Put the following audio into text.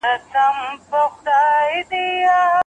د کمپيوټر پوهنې ګټې د هر چا لپاره ښکاره دي.